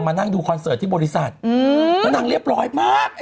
นั่งดูคอนเสิร์ตที่บริษัทแล้วนางเรียบร้อยมาก